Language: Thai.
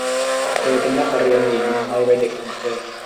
เธอเป็นนักเรียนหญิงในวัยเด็กของเธอ